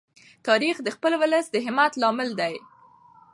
تاریخ د خپل ولس د همت لامل دی.